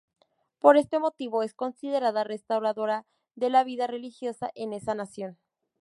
Por este motivo es considerada restauradora de la vida religiosa en esa nación.